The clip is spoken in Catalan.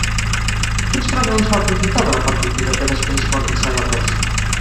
Quins fragments va aprofitar de la partitura que després foren cèlebres?